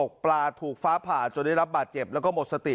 ปลาถูกฟ้าผ่าจนได้รับบาดเจ็บแล้วก็หมดสติ